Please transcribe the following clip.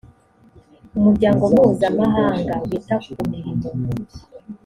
umuryango mpuzamahanga wita ku mirimo